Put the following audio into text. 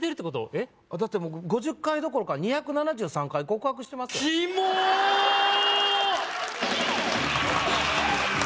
えっ？だって５０回どころか２７３回告白してますよキモーッ！